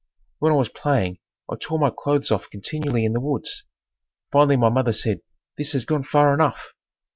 When I was playing I tore my clothes off continually in the woods. Finally my mother said, "This has gone far enough!"